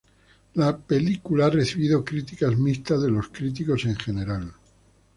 La película ha recibido críticas mixtas de los críticos en general.